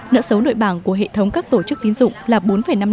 nợ xấu nội bảng của hệ thống các tổ chức tín dụng